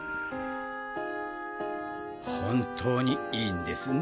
本当にいいんですね？